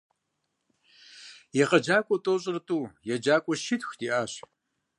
ЕгъэджакӀуэу тӀощӀрэ тӀу, еджакӏуэу щитху диӀэщ.